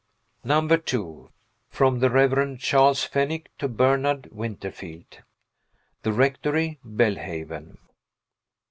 Number Two From The Rev. Charles Fennick to Bernard Winterfield. The Rectory, Belhaven.